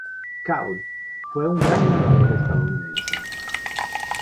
Cable fue un gran narrador estadounidense.